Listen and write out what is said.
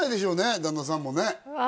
旦那さんもねああ